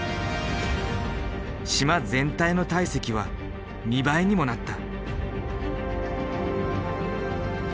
島全体の体積は２倍にもなった。